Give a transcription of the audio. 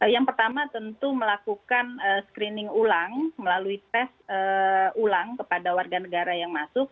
yang pertama tentu melakukan screening ulang melalui tes ulang kepada warga negara yang masuk